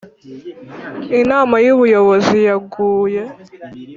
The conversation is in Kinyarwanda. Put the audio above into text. inama yu buyobozi yaguye